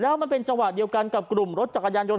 แล้วมันเป็นจังหวะเดียวกันกับกลุ่มรถจักรยานยน